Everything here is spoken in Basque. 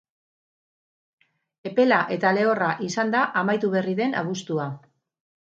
Epela eta lehorra izan da amaitu berri den abuztua.